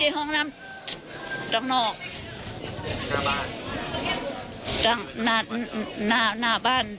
ดูหลบครบไปด้านข้าง